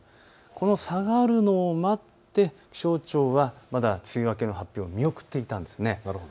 この、下がるのを待って気象庁はまだ梅雨明けの発表を見送っていたんです。